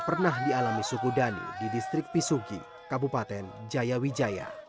pernah dialami suku dani di distrik pisugi kabupaten jaya wijaya